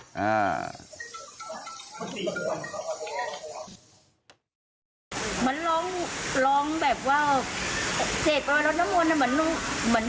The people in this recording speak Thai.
เหมือนร้องร้องแบบว่าเสร็จประมาณรถนมวลน่ะเหมือน